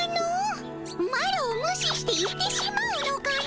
マロをむしして行ってしまうのかの。